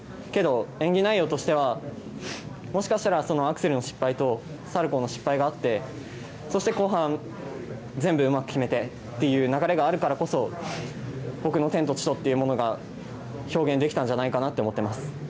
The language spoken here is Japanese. けど演技内容としてはもしかしたらアクセルの失敗とサルコウの失敗があってそして後半、全部うまく決めてっていう流れがあるからこそ僕の天と地とというものが表現できたんじゃないかなと思っています。